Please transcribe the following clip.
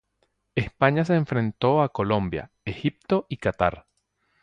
España se enfrentó a Colombia, Egipto y Catar.